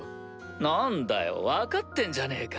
何だよ分かってんじゃねえか！